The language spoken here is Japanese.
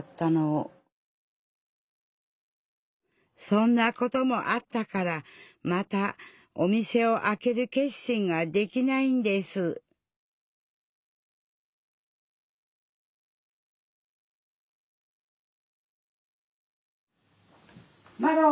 そんなこともあったからまたお店をあける決心ができないんですまろ。